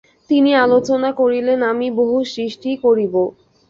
তিনি আলোচনা করিলেন আমি বহু সৃষ্টি করিব।